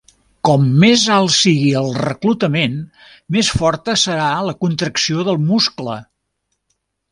Com més alt sigui el reclutament, més forta serà la contracció del muscle.